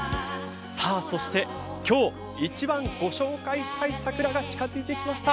そして今日一番ご紹介したい桜が近づいてきました。